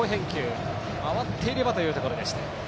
二塁ランナー、回っていればというところでした。